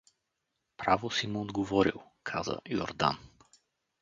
— Право си му отговорил — каза Юрдан.